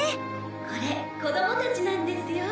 これ子供たちなんですよ。